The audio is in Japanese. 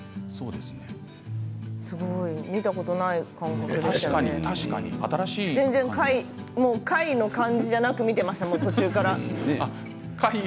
すごい、見たことない確かに全然、貝の感じじゃなく見てました途中から。